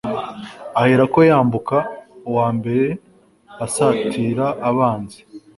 ahera ko yambuka uwa mbere asatira abanzi